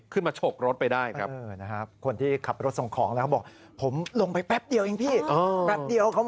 ขึ้นมาฉกรถไปได้ครับ